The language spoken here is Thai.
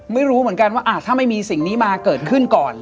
ไม่รู้เหมือนกันว่าถ้าไม่มีสิ่งนี้มาเกิดขึ้นก่อน